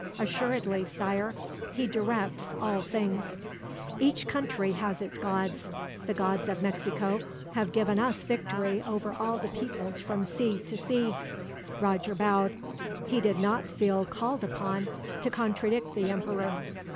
"Assuredly, Sire. He directs all things." "Each country has its gods. The gods of Mexico have given us victory over all the peoples from sea to sea." Roger bowed. He did not feel called upon to contradict the emperor.